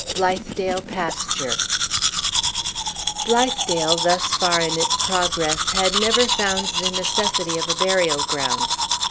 BLITHEDALE PASTURE Blithedale, thus far in its progress, had never found the necessity of a burial ground.